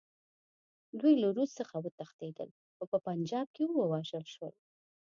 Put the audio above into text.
دوی له روس څخه وتښتېدل، خو په پنجاب کې ووژل شول.